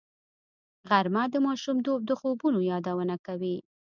غرمه د ماشومتوب د خوبونو یادونه کوي